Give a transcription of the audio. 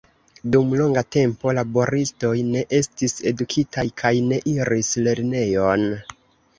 Dum longa tempo, laboristoj ne estis edukitaj kaj ne iris lernejon.